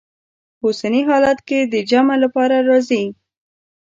په اوسني حالت کې د جمع لپاره راځي.